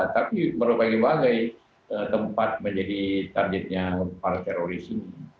tapi berbagai bagai tempat menjadi targetnya para teroris ini